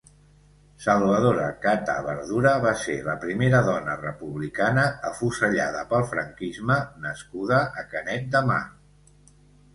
Salvadora Catà Verdura va ser la primera dona republicana afusellada pel franquisme nascuda a Canet de Mar.